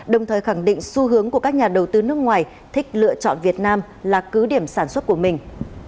đồng thời khẳng định xu hướng của các nhà đầu tư nước ngoài thích lựa chọn việt nam là cứ điểm sản xuất của mình